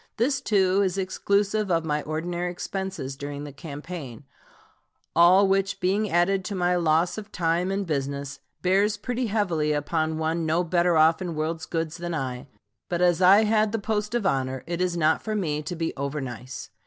This, too, is exclusive of my ordinary expenses during the campaign, all which being added to my loss of time and business, bears pretty heavily upon one no better off in world's goods than I; but as I had the post of honor, it is not for me to be over nice.